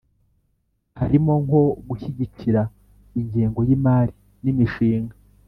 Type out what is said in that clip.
harimo nko gushyigikira ingengo y'imari n'imishinga.